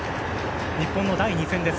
日本の第２戦です。